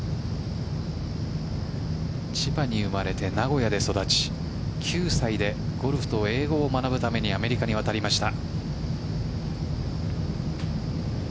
千葉に生まれて名古屋に育ち９歳でゴルフと英語を学ぶためにアメリカに渡りました。